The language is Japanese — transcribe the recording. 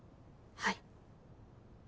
はい。